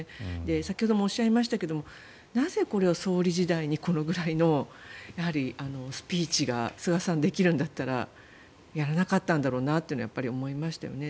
先ほどもおっしゃいましたがなぜこれを総理時代にこのくらいのスピーチが菅さん、できるんだったらやらなかったんだろうというのは思いました。